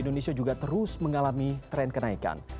indonesia juga terus mengalami tren kenaikan